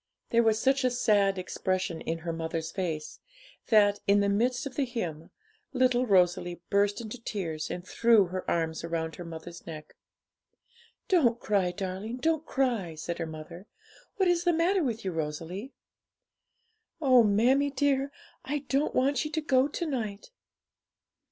There was such a sad expression in her mother's face, that, in the midst of the hymn, little Rosalie burst into tears, and threw her arms round her mother's neck. 'Don't cry, darling, don't cry!' said her mother; 'what is the matter with you, Rosalie?' 'Oh, mammie dear, I don't want you to go to night!'